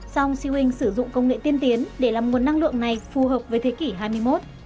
song sioing sử dụng công nghệ tiên tiến để làm nguồn năng lượng này phù hợp với thế kỷ hai mươi một